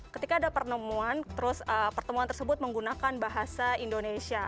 ketika ada pertemuan terus pertemuan tersebut menggunakan bahasa indonesia